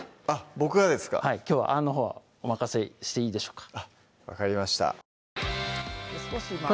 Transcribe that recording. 僕がですかはいきょうはあんのほうはお任せしていいでしょうか？